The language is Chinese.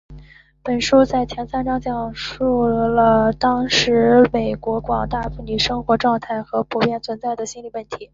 本书在前三个章节论述了当时美国广大妇女的生活状态和普遍存在的心理问题。